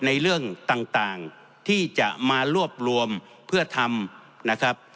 ในเรื่องต่างที่จะมารวบรวมเพื่อทำนะครับ